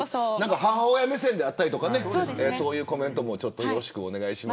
母親目線であったりとかねそういうコメントもよろしくお願いします。